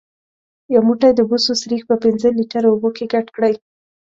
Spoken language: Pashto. یو موټی د بوسو سريښ په پنځه لیتره اوبو کې ګډ کړئ.